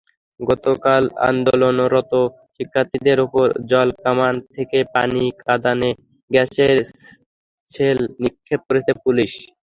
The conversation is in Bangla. গতকালও আন্দোলনরত শিক্ষার্থীদের ওপর জলকামান থেকে পানি, কাঁদানে গ্যাসের শেল নিক্ষেপ করেছে পুলিশ।